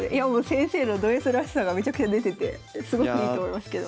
先生のドＳらしさがめちゃくちゃ出ててすごくいいと思いますけど。